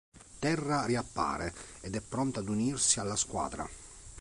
Terra riappare, ed è pronta ad unirsi alla squadra.